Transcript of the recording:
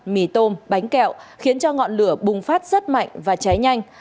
mì tôm bánh kẹo khiến cho ngọn lửa bùng phát rất mạnh và cháy nhanh